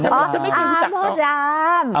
อัมโมดราม